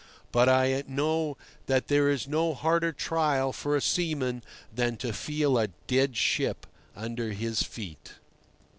But I know that there is no harder trial for a seaman than to feel a dead ship under his feet.